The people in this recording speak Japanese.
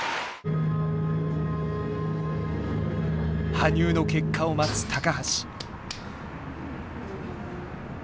羽生の結果を待つ橋。